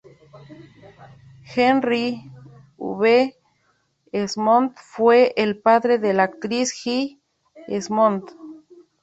Henry V. Esmond fue el padre de la actriz Jill Esmond.